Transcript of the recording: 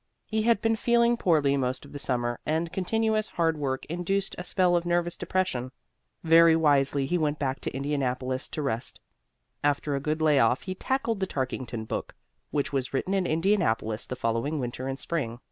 He had been feeling poorly most of the summer, and continuous hard work induced a spell of nervous depression. Very wisely he went back to Indianapolis to rest. After a good lay off he tackled the Tarkington book, which was written in Indianapolis the following winter and spring.